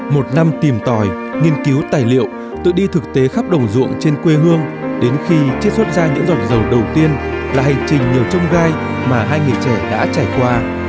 một năm tìm tòi nghiên cứu tài liệu tự đi thực tế khắp đồng ruộng trên quê hương đến khi chiết xuất ra những giọt dầu đầu tiên là hành trình nhiều trông gai mà hai người trẻ đã trải qua